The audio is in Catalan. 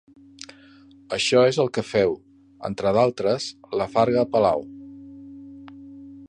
Això és el que féu, entre d'altres, la farga Palau.